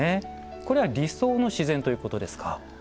これは理想の自然ということですか？